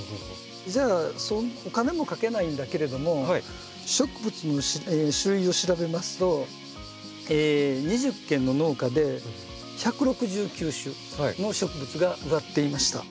じゃあお金もかけないんだけれども植物の種類を調べますと２０軒の農家で１６９種の植物が植わっていました。